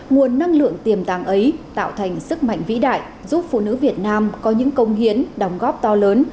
nguồn năng lượng tiềm tàng ấy tạo thành sức mạnh vĩ đại giúp phụ nữ việt nam có những công hiến đóng góp to lớn